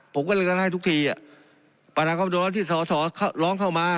ผมก็เริ่มใจให้ทุกทีอะปราณากรรมดรที่ศรศรเขาล้องเข้ามา